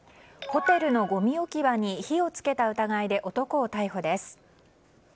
ホテルのごみ置き場に火を付けた疑いで男を逮捕です。